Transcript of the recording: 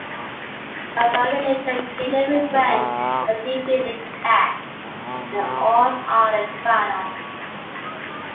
Offaly later gained their revenge by defeating 'the Cats' in the All-Ireland final.